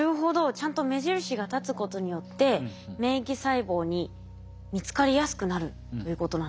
ちゃんと目印が立つことによって免疫細胞に見つかりやすくなるということなんですね。